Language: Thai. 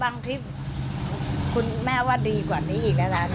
คลิปคุณแม่ว่าดีกว่านี้อีกนะคะ